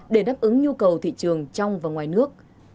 để đáp ứng nhu cầu thị trường trong và ngoài nước